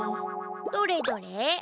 どれどれ。